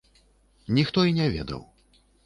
Ніхто і не ведаў.